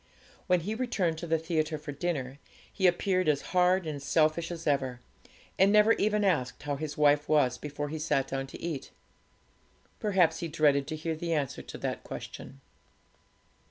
When he returned to the theatre for dinner, he appeared as hard and selfish as ever, and never even asked how his wife was before he sat down to eat. Perhaps he dreaded to hear the answer to that question.